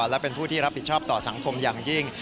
และเป็นผู้ที่รับผิดชอบต่อสังคมอย่างยิ่ง